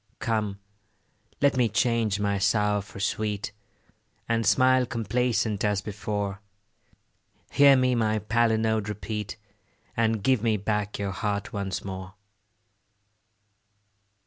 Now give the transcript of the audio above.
Come, let me change my sour for sweet, And smile complacent as before: Hear me my palinode repeat, And give me back your heart once more.